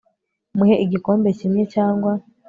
muhe igikombe kimwe cyangwa